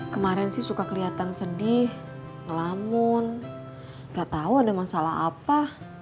kemaren sih suka keliatan sedih ngelamun gak tau ada masalah apa